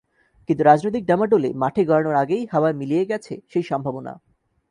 কিন্তু রাজনৈতিক ডামাডোলে মাঠে গড়ানোর আগেই হাওয়ায় মিলিয়ে গেছে সেই সম্ভাবনা।